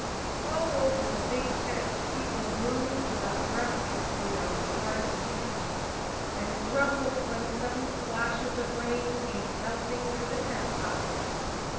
All over the big tent people moved about restlessly on the hard seats, and grumbled when sudden splashes of rain came pelting through the tent top.